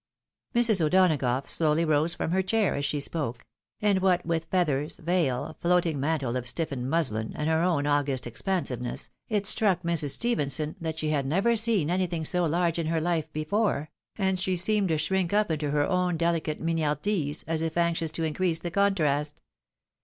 Mrs. O'Donagough slowly rose from her chair as she spoke; and what with feathers, veil, floating mantle of stiflfened muslin, and her own august expansiveness, it struck Mrs. Stephenson that she had never seen anything so large in her hfe before, and she seemed to shrink up into her own delicate mignardise, as if anxi ous to increase the contrast.